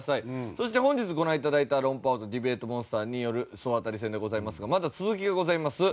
そして本日ご覧いただいた論破王とディベートモンスターによる総当たり戦でございますがまだ続きがございます。